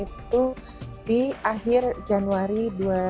emergency use authorization ke badan pom itu di akhir januari dua ribu dua puluh satu